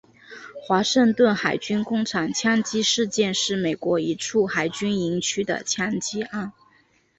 华盛顿海军工厂枪击事件是美国一处海军营区的枪击案。